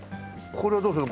これはどうするの？